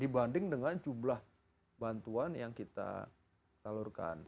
dibanding dengan jumlah bantuan yang kita salurkan